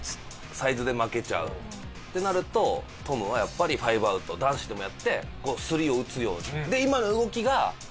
サイズで負けちゃうってなるとトムはやっぱりファイブアウトを男子でもやってこうスリーを打つように。